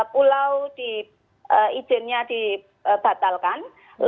tiga belas pulau izinnya dibatalkan